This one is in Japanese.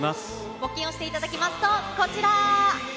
募金をしていただきますと、こちら。